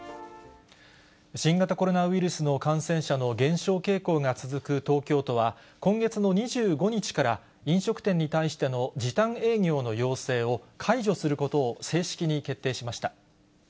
新型コロナウイルスの感染者の減少傾向が続く東京都は、今月の２５日から、飲食店に対しての時短営業の要請を解除することを正式に決定しました。